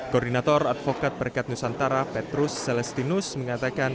koordinator advokat perkat nusantara petrus celestinus mengatakan